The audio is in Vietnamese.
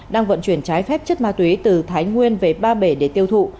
đang vận chuyển trái phép chất ma túy từ thái nguyên về ba bể để tiêu thụ